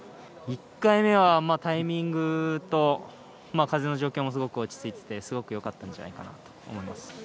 １回目はタイミングと風の状況もすごく落ち着いててすごくよかったんじゃないかと思います。